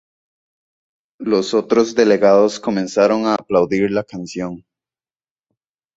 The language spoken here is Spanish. Los otros delegados comenzaron a aplaudir la canción.